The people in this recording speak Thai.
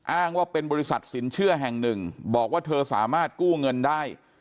อ้างว่าเป็นบริษัทสินเชื่อแห่งหนึ่งบอกว่าเธอสามารถกู้เงินได้